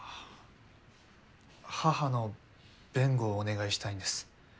母の弁護をお願いしたいんです。